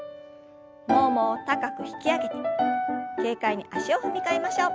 ももを高く引き上げて軽快に足を踏み替えましょう。